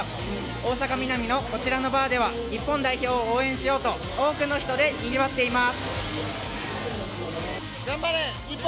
大阪ミナミのこちらのバーでは日本代表を応援しようと多くの人でにぎわっています。